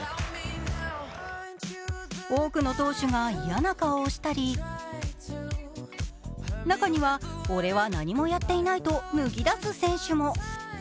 多くの投手が嫌な顔をしたり中には俺は何もやっていないと脱ぎ出す選手も。